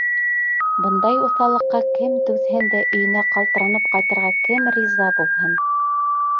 Бындай уҫаллыҡҡа кем түҙһен дә өйөнә ҡалтыранып ҡайтырға кем риза булһын!